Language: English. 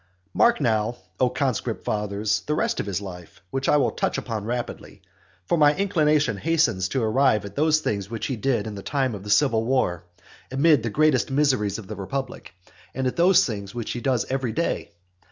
Mark now, O conscript fathers, the rest of his life, which I will touch upon rapidly. For my inclination hastens to arrive at those things which he did in the time of the civil war, amid the greatest miseries of the republic, and at those things which he does every day.